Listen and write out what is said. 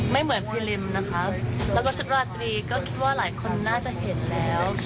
ไม่เหมือนพี่ริมนะคะแล้วก็ชุดราตรีก็คิดว่าหลายคนน่าจะเห็นแล้ว